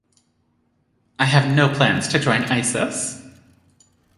I have no plans to join Isis.